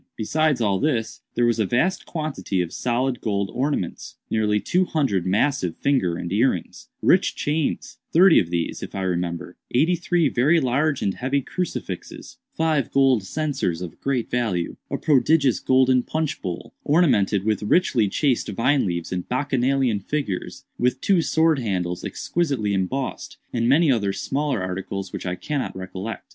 Besides all this, there was a vast quantity of solid gold ornaments; nearly two hundred massive finger and earrings; rich chains—thirty of these, if I remember; eighty three very large and heavy crucifixes; five gold censers of great value; a prodigious golden punch bowl, ornamented with richly chased vine leaves and Bacchanalian figures; with two sword handles exquisitely embossed, and many other smaller articles which I cannot recollect.